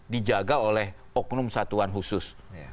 dijaga oleh oknum satuan khusus